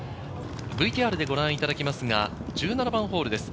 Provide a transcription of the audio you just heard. ＶＴＲでご覧いただきますが、１７番ホールです。